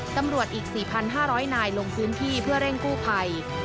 ตำรวจอีก๔๕๐๐นายลงพื้นที่เพื่อเร่งกู้ภัย